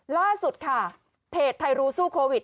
ล่าสุดค่ะเพจไทยรูสู้โควิด